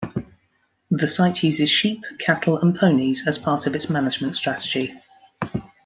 The site uses sheep, cattle and ponies as part of its management strategy.